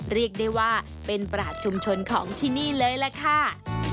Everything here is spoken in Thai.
เรียกได้ว่าเป็นปราศชุมชนของที่นี่เลยล่ะค่ะ